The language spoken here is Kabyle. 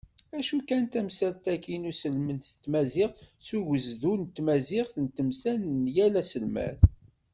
Acu kan tamsalt-agi n uselmed s tmaziɣt deg ugezdu n tmaziɣt, d tamsalt n yal aselmad.